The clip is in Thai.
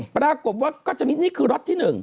ปรากฏว่าก็จะมีนี่คือล็อตที่๑